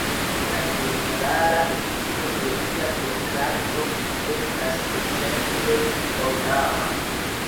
La ĝenerala efiko de lia pentrarto estas esence ornama.